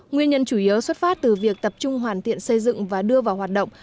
nguyên nhân chủ yếu xuất phát từ việc tập trung hoàn thiện xây dựng và đưa vào hoạt động